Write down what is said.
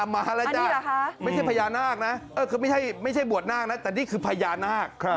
มาแล้วจ้ะไม่ใช่พญานาคนะคือไม่ใช่บวชนาคนะแต่นี่คือพญานาค